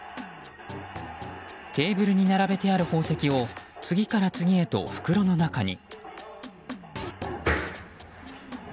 テーブルに並べてある宝石を次から次へと袋の中に。